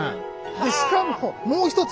でしかももう一つ。